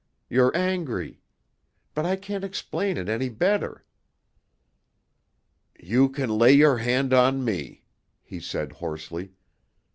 You're angry? But I can't explain it any better." "You can lay your hand on me," he said hoarsely.